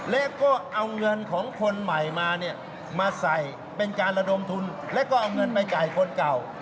และก็เอาเงินของคนใหม่มาเนี่ยมาใส่เป็นการระดมทุนแล้วก็เอาเงินไปจ่ายคนเก่า